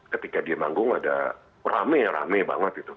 ketika di manggung ada rame rame banget gitu